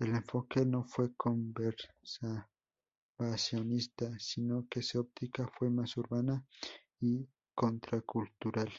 El enfoque no fue conservacionista, sino que su óptica fue más urbana y contracultural.